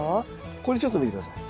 これちょっと見て下さい。